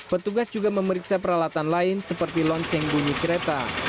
petugas juga memeriksa peralatan lain seperti lonceng bunyi kereta